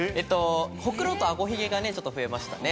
ほくろと顎ひげがちょっと増えましたね。